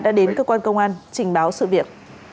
đã đến cơ quan công an trình báo sự việc